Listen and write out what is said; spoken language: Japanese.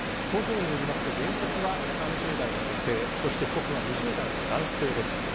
訴状によりますと原告は３０代の女性そして被告は２０代の男性です。